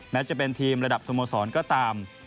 แม้จะเป็นทีมระดับสโมสรก็ตาม